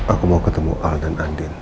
aku mau ketemu al dan andin